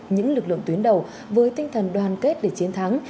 những lực lượng tuyến đầu với tinh thần đoàn kết để chiến thắng